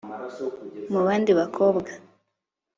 mubandi bakobwa…